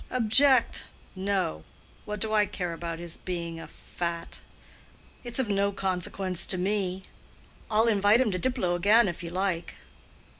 "Object? no. What do I care about his being a fat? It's of no consequence to me. I'll invite him to Diplow again if you like."